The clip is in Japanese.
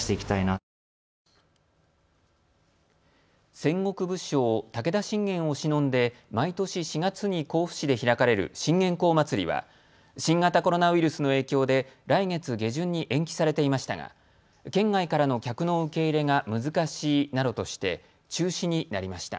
戦国武将、武田信玄をしのんで毎年４月に甲府市で開かれる信玄公祭りは新型コロナウイルスの影響で来月下旬に延期されていましたが県外からの客の受け入れが難しいなどとして中止になりました。